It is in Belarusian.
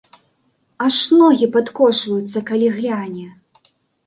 Аж ногі падкошваюцца, калі гляне.